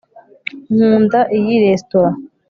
Nkunda iyi resitora